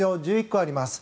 １１個あります。